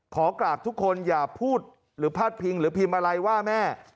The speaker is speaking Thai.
ขอกราบทุกคนอย่าพูดหรือพาดพิงหรือพิมพ์อะไรว่าแม่